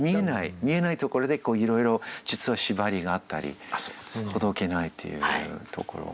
見えないところでいろいろ実は縛りがあったりほどけないっていうところ。